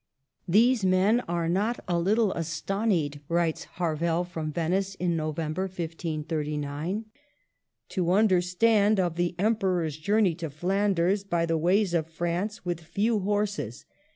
*' These men are not a litil astonied," writes Harvel from Venice in November, 1539, "to tmdirstonde of the Emperoure's journey to Flanders by the wais of France, with few horsis.